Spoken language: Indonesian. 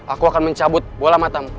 aku akan mencabut bola matamu